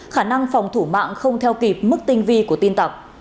khả năng phòng thủ mạng không theo kịp mức tinh vi của tin tặc